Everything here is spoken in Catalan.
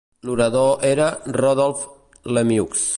L'orador era Rodolphe Lemieux.